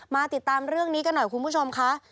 ติดตามเรื่องนี้กันหน่อยคุณผู้ชมค่ะ